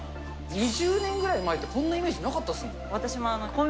２０年ぐらい前って、こんなイメージなかったですもん。